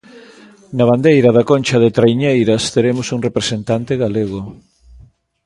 Na Bandeira da Concha de traiñeiras teremos un representante galego.